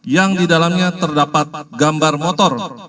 yang didalamnya terdapat gambar motor